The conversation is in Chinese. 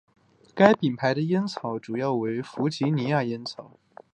该品牌的烟草主要为弗吉尼亚烟草。